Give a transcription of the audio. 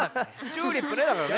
「チューリップ」ねだからね。